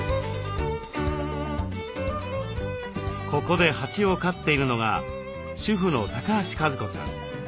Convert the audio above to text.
ここで蜂を飼っているのが主婦の橋和子さん。